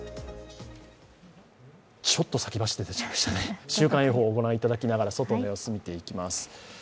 ちょっと先走って出ちゃいましたね、週間予報をご覧いただきながら外の様子、見ていきます。